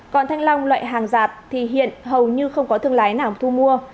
còn thanh long loại hàng giạt thì hiện hầu như không có thương lái nào thu mua